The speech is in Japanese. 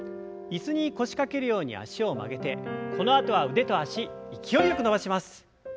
椅子に腰掛けるように脚を曲げてこのあとは腕と脚勢いよく伸ばします。